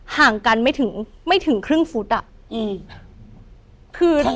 ห่างกันไม่ถึงครึ่งฟุต